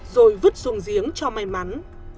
rồi vứt xuống giếng cho may mắn